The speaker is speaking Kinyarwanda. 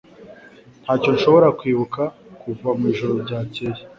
Ntacyo nshobora kwibuka kuva mwijoro ryakeye